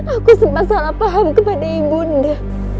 aku sempat salah paham kepada ibu nanda